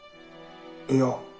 いや。